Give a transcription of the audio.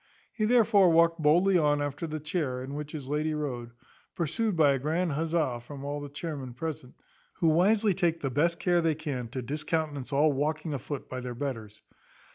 He therefore walked boldly on after the chair in which his lady rode, pursued by a grand huzza, from all the chairmen present, who wisely take the best care they can to discountenance all walking afoot by their betters.